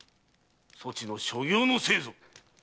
そちの所業のせいぞ！